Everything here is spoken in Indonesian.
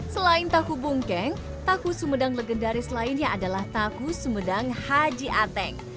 selain tahu bungkeng tahu sumedang legendaris lainnya adalah tahu sumedang haji ateng